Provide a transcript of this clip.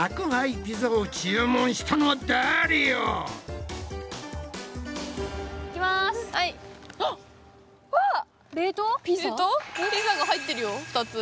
ピザが入ってるよ２つ。